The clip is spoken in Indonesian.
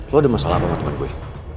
lo ada masalah apa sama temen gue